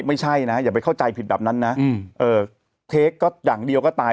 ไม่ใช่นะอย่าไปเข้าใจผิดแบบนั้นนะเค้กก็อย่างเดียวก็ตาย